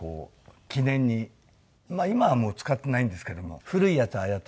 まあ今はもう使ってないんですけども古いやつはああやって。